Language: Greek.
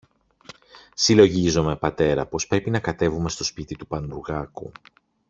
Συλλογίζομαι, πατέρα, πως πρέπει να κατεβούμε στο σπίτι του Πανουργάκου